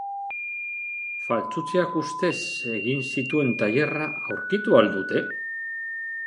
Faltsutzeak ustez egin zituen tailerra aurkitu al dute?